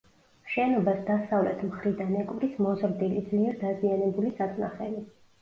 შენობას დასავლეთ მხრიდან ეკვრის მოზრდილი, ძლიერ დაზიანებული საწნახელი.